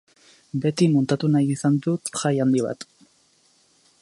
Beti muntatu nahi izan dut jai handi bat.